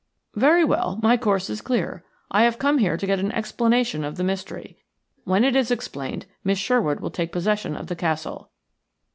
"Very well; my course is clear. I have come here to get an explanation of the mystery. When it is explained Miss Sherwood will take possession of the castle."